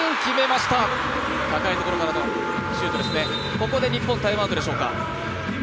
ここで日本タイムアウトでしょうか。